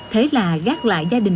thế là gác lại gia đình